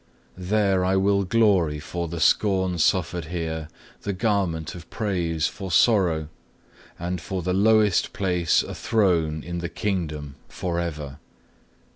There I will glory for the scorn suffered here, the garment of praise for sorrow, and for the lowest place a throne in the Kingdom, for ever.